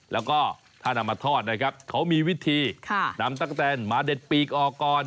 แล้วก็ถ้านำมาทอดนะครับเขามีวิธีนำตั๊กแตนมาเด็ดปีกออกก่อน